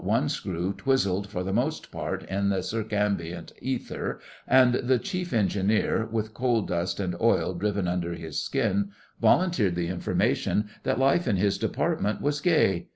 one screw twizzled for the most part in the circumambient ether, and the Chief Engineer—with coal dust and oil driven under his skin—volunteered the information that life in his department was gay.